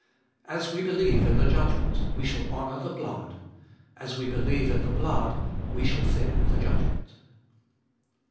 As we believe in the judgment we shall honour the blood; as we believe In the blood we shall fear the judgment.